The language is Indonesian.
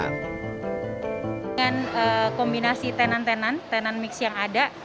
dengan kombinasi tenan tenan tenan mix yang ada